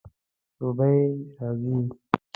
دوبی راځي